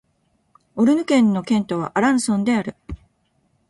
オルヌ県の県都はアランソンである